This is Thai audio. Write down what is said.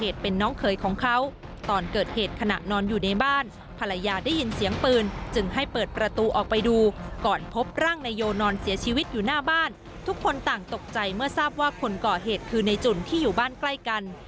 ทุกคนต่างตกใจเมื่อทราบว่าคนก่อเหตุคือในจุ่นที่อยู่บ้านใกล้กัน